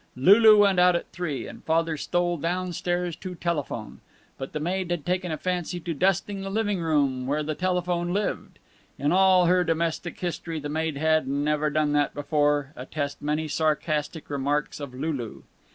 Lulu went out at three, and Father stole down stairs to telephone. But the maid had taken a fancy to dusting the living room, where the telephone lived. In all her domestic history the maid had never done that before attest many sarcastic remarks of Lulu.